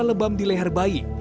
lebam di leher bayi